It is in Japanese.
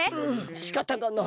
しかたがない。